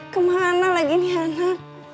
kemana lagi nih anak